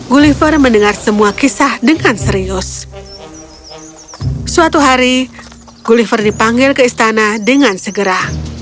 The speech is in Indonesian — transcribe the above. gulliver mendengar semua kisah dengan serius suatu hari gulliver dipanggil ke istana dengan segera